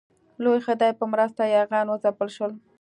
د لوی خدای په مرسته یاغیان وځپل شول.